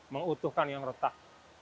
mengutuhkan yang retak